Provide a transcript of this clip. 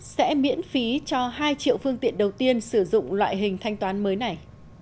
sẽ miễn phí cho hai triệu phương tiện đầu tiên sử dụng loại hình thanh toán mới này